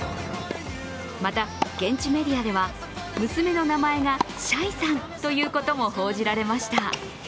また、現地メディアでは娘の名前がシャイさんということも報じられました。